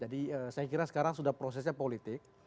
jadi saya kira sekarang sudah prosesnya politik